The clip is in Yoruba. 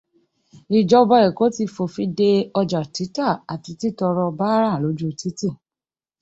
Ìjọba Èkó ti fòfin de ọjà títà àti títọọrọ báárà lójú títì